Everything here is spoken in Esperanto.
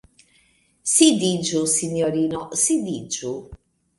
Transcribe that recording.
Sidiĝu, sinjorino, sidiĝu!